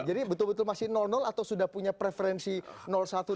jadi betul betul masih atau sudah punya preferensi satu dan dua